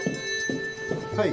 はい。